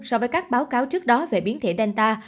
so với các báo cáo trước đó về biến thể danta